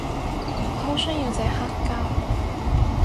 我好想要隻黑膠